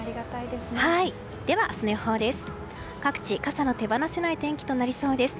では、明日の予報です。